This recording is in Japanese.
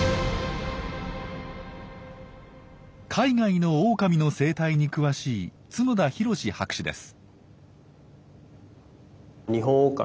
海外のオオカミの生態に詳しい角田裕志博士です。